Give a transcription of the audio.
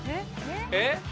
えっ？